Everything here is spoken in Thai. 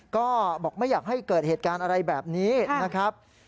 ก็บอกไม่อยากให้เกิดเหตุการณ์อะไรแบบนี้นะครับ